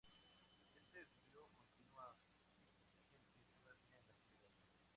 Este estudio continúa vigente todavía en la actualidad.